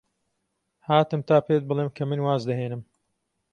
هاتم تا پێت بڵێم کە من واز دەهێنم.